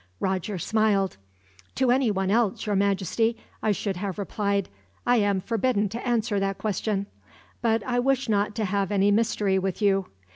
Roger smiled. "To anyone else, your Majesty, I should have replied, 'I am forbidden to answer that question;' but I wish not to have any mystery with you.